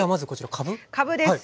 かぶです。